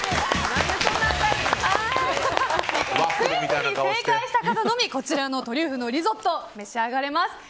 クイズに正解した方のみトリュフのリゾット召し上がれます。